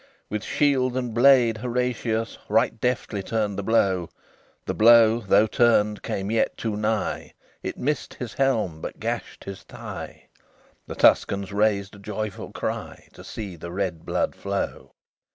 With shield and blade Horatius Right deftly turned the blow. The blow, though turned, came yet too nigh; It missed his helm, but gashed his thigh: The Tuscans raised a joyful cry To see the red blood flow.